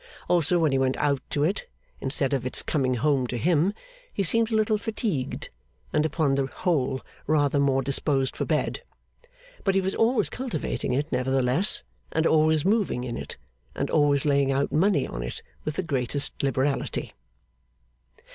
Also when he went out to it, instead of its coming home to him, he seemed a little fatigued, and upon the whole rather more disposed for bed; but he was always cultivating it nevertheless, and always moving in it and always laying out money on it with the greatest liberality.